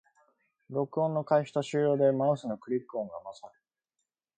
録音の開始と終了でマウスのクリック音が混ざる